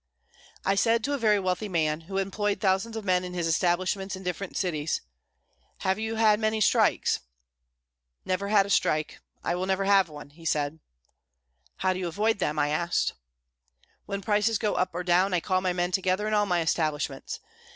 I said to a very wealthy man, who employed thousands of men in his establishments in different cities: "Have you had many strikes?" "Never had a strike; I never will have one," he said. "How do you avoid them?" I asked. "When prices go up or down, I call my men together in all my establishments.